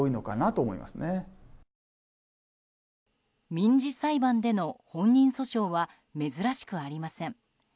民事裁判での本人訴訟は珍しくありません。